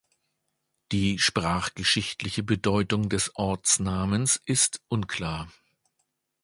Die sprachgeschichtliche Bedeutung des Ortsnamens ist unklar.